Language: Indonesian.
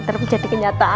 terus menjadi kenyataan